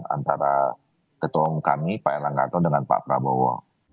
antara ketua umum kami pak erlangga atau dengan pak prabowo